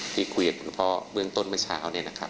ที่คุยกับคุณพ่อเบื้องต้นเมื่อเช้า